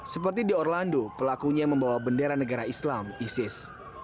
seperti di orlando pelakunya membawa bendera negara islam isis